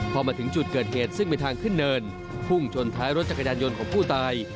พอมาถึงจุดเกิดเหตุซึ่งเป็นทางขึ้นเนินพุ่งชนท้ายรถจักรยานยนต์ของผู้ตาย